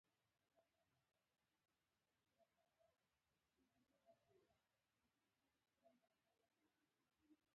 خلکو د ګلونو ستاینه وکړه.